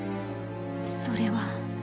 それは。